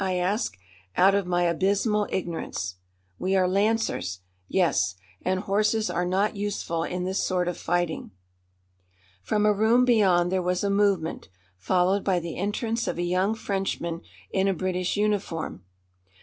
I asked, out of my abysmal ignorance. "We are Lancers. Yes. And horses are not useful in this sort of fighting." From a room beyond there was a movement, followed by the entrance of a young Frenchman in a British uniform.